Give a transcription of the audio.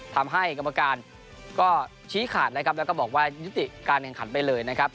ทำให้กรรมการก็ชี้ขาดนะครับแล้วก็บอกว่ายุติการแข่งขันไปเลยนะครับ